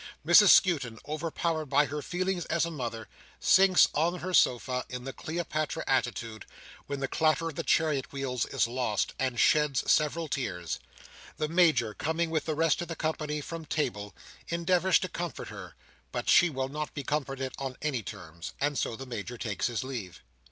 Mrs Skewton, overpowered by her feelings as a mother, sinks on her sofa in the Cleopatra attitude, when the clatter of the chariot wheels is lost, and sheds several tears. The Major, coming with the rest of the company from table, endeavours to comfort her; but she will not be comforted on any terms, and so the Major takes his leave.